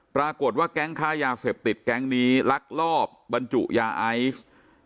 ปรากฏว่าแก๊งค้ายาเสพติดแก๊งนี้ลักลอบบรรจุยาไอซ์